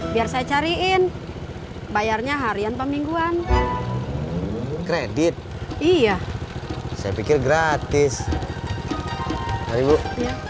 biar saya cariin bayarnya harian pemingguan kredit iya saya pikir gratis hari bu